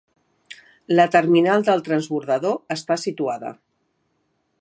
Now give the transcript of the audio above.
La terminal del transbordador està situada.